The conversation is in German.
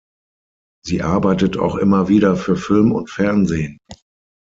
Sie arbeitet auch immer wieder für Film und Fernsehen.